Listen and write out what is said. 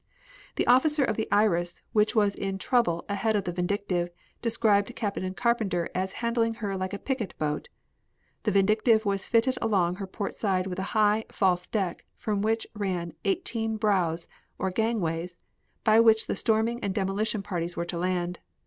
The officer of the Iris, which was in trouble ahead of the Vindictive, described Captain Carpenter as handling her like a picket boat. The Vindictive was fitted along her port side with a high, false deck, from which ran eighteen brows, or gangways, by which the storming and demolition parties were to land.